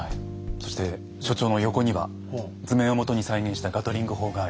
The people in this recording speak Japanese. そして所長の横には図面をもとに再現したガトリング砲があります。